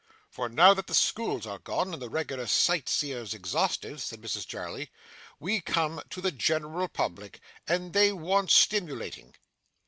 'For now that the schools are gone, and the regular sight seers exhausted,' said Mrs Jarley, 'we come to the General Public, and they want stimulating.